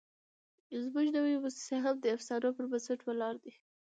زموږ نوې موسسې هم د افسانو پر بنسټ ولاړې دي.